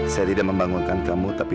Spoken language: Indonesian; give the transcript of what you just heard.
saya tidak membangunkan kamu tapi